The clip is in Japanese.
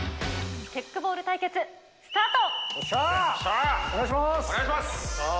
テックボール対決、スタート。